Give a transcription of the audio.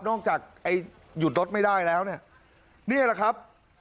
จากไอ้หยุดรถไม่ได้แล้วเนี่ยนี่แหละครับ